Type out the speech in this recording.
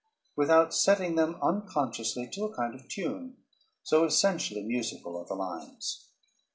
without setting them unconsciously to a kind of tune, so essentially musical are the lines.